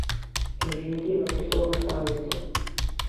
En definitiva, que estou afastado de todo.